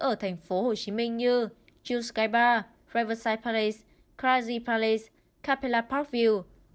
ở thành phố hồ chí minh như june sky bar riverside palace crazy palace capella parkview